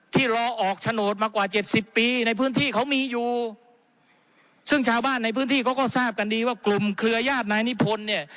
รอออกโฉนดมากว่าเจ็ดสิบปีในพื้นที่เขามีอยู่ซึ่งชาวบ้านในพื้นที่เขาก็ทราบกันดีว่ากลุ่มเครือญาตินายนิพนธ์เนี่ย